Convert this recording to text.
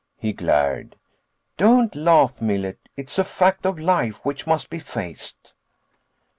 He glared. "Don't laugh, Millet; it's a fact of life which must be faced."